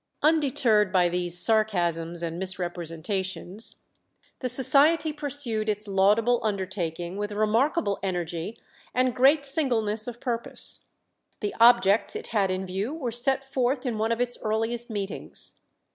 " Undeterred by these sarcasms and misrepresentations, the Society pursued its laudable undertaking with remarkable energy and great singleness of purpose. The objects it had in view were set forth in one of its earliest meetings.